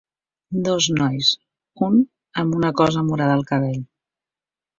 Dos nois, un amb una cosa morada al cabell.